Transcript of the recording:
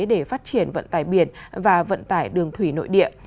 có nhiều lợi thế để phát triển vận tải biển và vận tải đường thủy nội địa